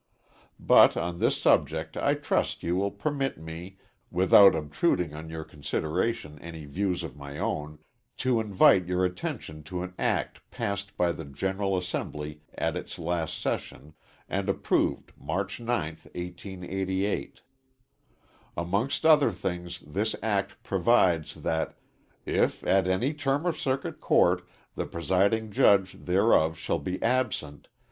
But on this subject I trust you will permit me, without obtruding on your consideration any views of my own, to invite your attention to an act passed by the General Assembly at its last session, and approved March 9th, 1888. Amongst other things this act provides that "if, at any term of circuit court, the presiding judge thereof shall be absent